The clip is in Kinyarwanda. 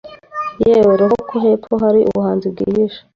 Yewe roho ko hepfo hari ubuhanzi bwihishe